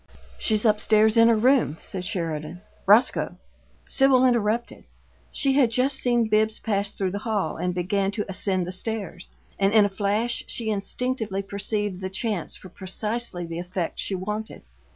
"She's up stairs in her room," said Sheridan. "Roscoe " Sibyl interrupted. She had just seen Bibbs pass through the hall and begin to ascend the stairs; and in a flash she instinctively perceived the chance for precisely the effect she wanted.